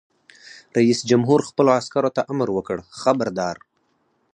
رئیس جمهور خپلو عسکرو ته امر وکړ؛ خبردار!